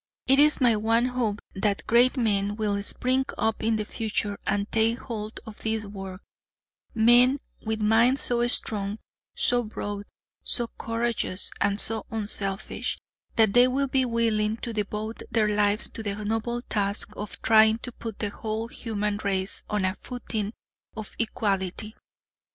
It is my one hope that great men will spring up in the future and take hold of this work men with minds so strong, so broad, so courageous, and so unselfish, that they will be willing to devote their lives to the noble task of trying to put the whole human race on a footing of equality.